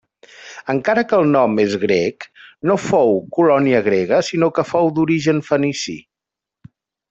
Encara que el nom és grec no fou colònia grega sinó que fou d'origen fenici.